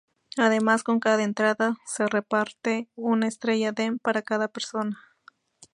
Además, con cada entrada se reparte una Estrella Damm para cada persona.